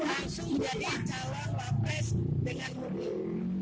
langsung jadi calon wakil presiden dengan mundur